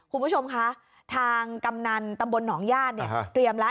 คุณผู้ชมคะทางกำนันตำบลหนองญาติเนี่ยเตรียมแล้ว